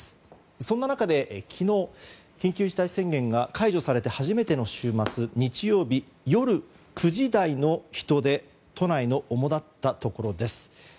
そんな中で、昨日緊急事態宣言が解除されて初めての週末、日曜日夜９時台の人出都内の主だったところです。